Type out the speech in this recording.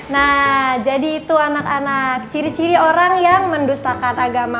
nah jadi itu anak anak ciri ciri orang yang mendustakan agama